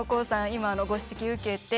今のご指摘受けて。